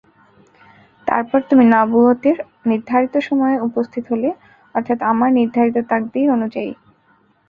তারপর তুমি নবুওতের নির্ধারিত সময়ে উপস্থিত হলে অর্থাৎ আমার নির্ধারিত তাকদীর অনুযায়ী।